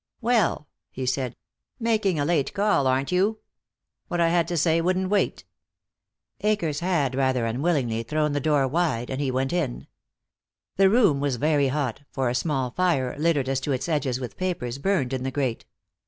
"Well!" he said. "Making a late call, aren't you?" "What I had to say wouldn't wait." Akers had, rather unwillingly, thrown the door wide, and he went in. The room was very hot, for a small fire, littered as to its edges with papers, burned in the grate.